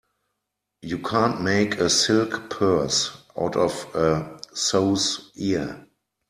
You can't make a silk purse out of a sow's ear.